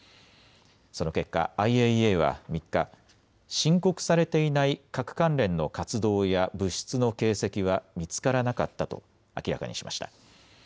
その結果、ＩＡＥＡは３日、申告されていない核関連の活動や物質の形跡は見つからなかったと明らかにしました。